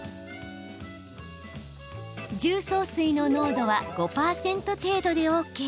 重曹水の濃度は５％程度でＯＫ。